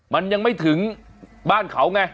มันยังไม่ถึงบ้านเขาไง